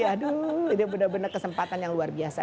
aduh ini benar benar kesempatan yang luar biasa